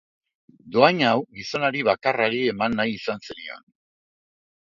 Dohain hau gizonari bakarrari eman nahi izan zenion.